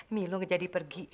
milo menjadi pergi